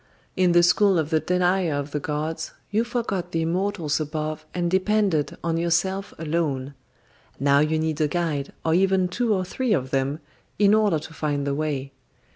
In the school of the denier of the gods, you forgot the immortals above and depended on yourself alone. Now you need a guide, or even two or three of them, in order to find the way.